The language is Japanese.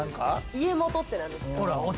家元って何ですか。